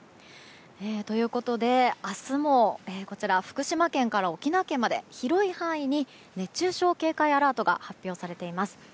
ということで明日も福島県から沖縄県まで広い範囲に熱中症警戒アラートが発表されています。